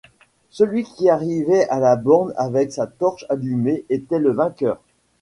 Celui qui arrivait à la borne avec sa torche allumée était le vainqueur.